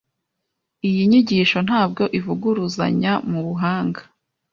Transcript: Iyi nyigisho ntabwo ivuguruzanya mubuhanga.